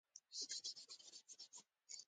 هغه مخکې د اقتصاد پوهنځي په دريم ټولګي کې وه.